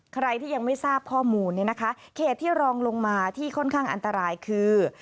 ใครที่ยังไม่ทราบข้อมูลเนี่ยนะคะเขตที่รองลงมาที่ค่อนข้างอันตรายคือ